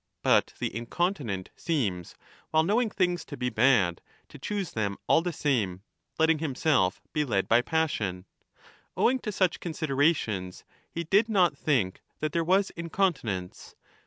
But the incontinent seems, while know ing things to be bad, to choose them all the same, letting himself be led by passion. Owing to such considerations he did not think that there was incontinence.